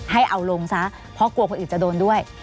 ให้เอาลงซะเพราะกลัวคนอื่นจะโดนด้วย